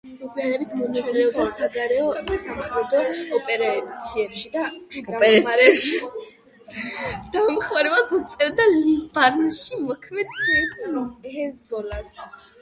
მოგვიანებით მონაწილეობდა საგარეო სამხედრო ოპერაციებში და დახმარებას უწევდა ლიბანში მოქმედ ჰეზბოლას.